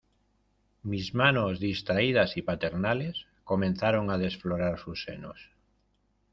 mis manos, distraídas y paternales , comenzaron a desflorar sus senos.